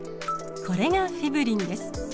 これがフィブリンです。